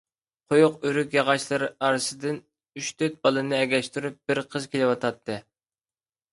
قويۇق ئۆرۈك ياغاچلىرى ئارىسىدىن ئۈچ-تۆت بالىنى ئەگەشتۈرۈپ، بىر قىز كېلىۋاتاتتى.